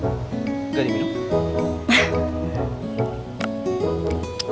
nggak di minum